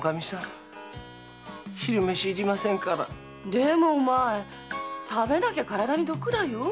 でもお前食べなきゃ体に毒だよ。